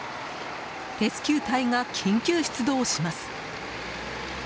レスキュー隊が緊急出動します。